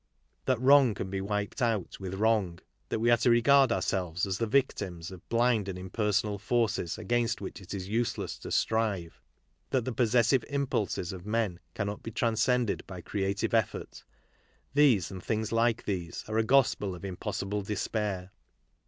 That wrong can be wiped out with wrong, that we are to regard ourselves as the victims of blind and impersonal forces against which it is useless to strive, that the ix>ssessive impulses of men cannot be transcended by creative effort — these and things like these are a gospel of impossible despair.